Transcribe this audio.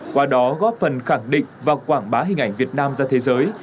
qua đó góp phần khẳng định và quảng bá hình ảnh việt nam ra thế giới